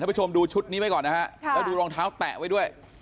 ผู้ชมดูชุดนี้ไว้ก่อนนะฮะแล้วดูรองเท้าแตะไว้ด้วย